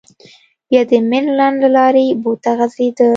بیا د منډلنډ له لارې بو ته غځېده.